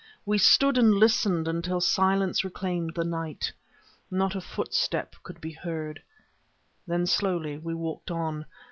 We stood and listened until silence reclaimed the night. Not a footstep could be heard. Then slowly we walked on.